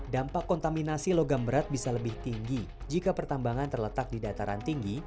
dampak kontaminasi logam berat bisa lebih tinggi jika pertambangan terletak di dataran tinggi